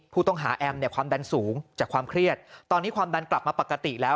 แอมเนี่ยความดันสูงจากความเครียดตอนนี้ความดันกลับมาปกติแล้ว